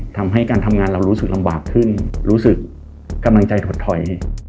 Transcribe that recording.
ทำให้การทำงานเรารู้สึกลำบากขึ้นรู้สึกกำลังใจถดถอย